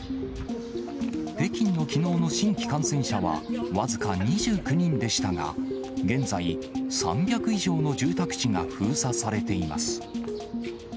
北京のきのうの新規感染者は、僅か２９人でしたが、現在、３００以上の住宅地が封鎖されています。